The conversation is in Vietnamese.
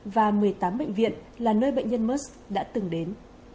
và một mươi tám bệnh viện là nơi bệnh nhân mers đã từng đến